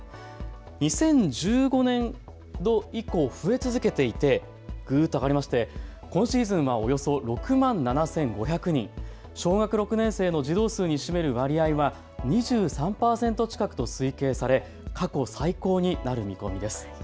２０１５年度以降、増え続けていてぐっと上がりまして、今シーズンはおよそ６万７５００人、小学６年生の児童数に占める割合は２３％近くと推計され過去最高になる見込みです。